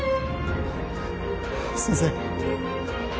先生。